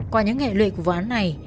qua những nghệ luyện của vụ án này